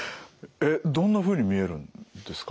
えっどんなふうに見えるんですか？